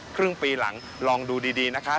ครึ่งปีหลังลองดูดีนะคะ